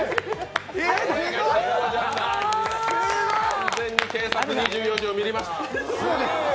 完全に「警察２４時」を見ました。